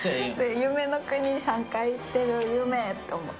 夢の国３回行ってる、夢って。